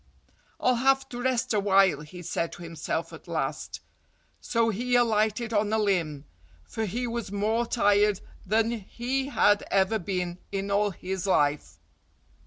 "I'll have to rest a while," he said to himself at last. So he alighted on a limb; for he was more tired than he had ever been in all his life.